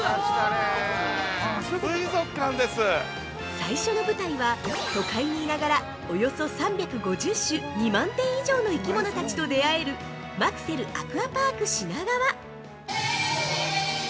◆最初の舞台は、都会にいながらおよそ３５０種２万点以上の生き物たちと出会えるマクセルアクアパーク品川！